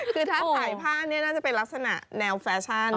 คือถ้าใส่ผ้านี่น่าจะเป็นลักษณะแนวแฟชั่น